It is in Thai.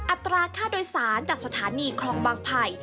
อัตราค่าโดยสารจากสถานีคลองบางไผ่